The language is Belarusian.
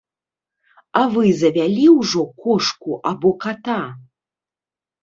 А вы завялі ўжо кошку або ката?